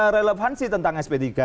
relevansi tentang sp tiga